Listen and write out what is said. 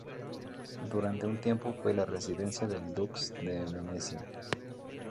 Durante un tiempo fue la residencia del dux de Venecia.